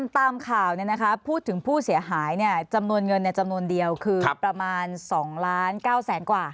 ตามข่าวเนี่ยนะคะพูดถึงผู้เสียหายเนี่ยจำนวนเงินในจำนวนเดียวคือประมาณสองล้านเก้าแสนกว่า